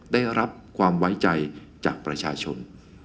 ได้รับความไว้ใจจากประชาชน